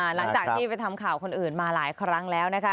หลังจากที่ไปทำข่าวคนอื่นมาหลายครั้งแล้วนะคะ